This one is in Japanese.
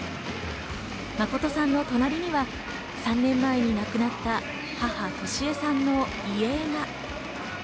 誠さんの隣には３年前に亡くなった母・俊恵さんの遺影が。